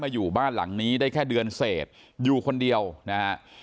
อยู่บ้านหลังนี้ได้แค่เดือนเศษอยู่คนเดียวนะฮะ